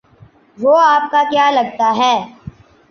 وہ آپ کا کیا لگتا ہے؟